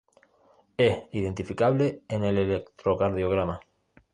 Es identificable en el electrocardiograma.